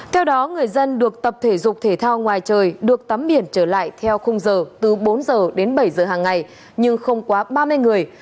theo đó người dân được tập thể dục thể thao ngoài trời được tắm biển trở lại theo khung giờ từ bốn giờ đến bảy giờ hàng ngày nhưng không quá ba mươi người